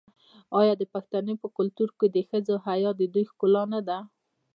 آیا د پښتنو په کلتور کې د ښځو حیا د دوی ښکلا نه ده؟